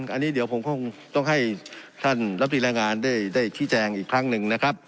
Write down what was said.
อันนี้เดี๋ยวผมคงต้องให้ท่านรับตีแรงงานได้ชี้แจงอีกครั้งหนึ่งนะครับ